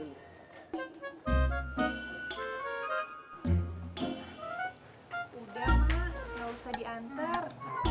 udah mah gak usah diantar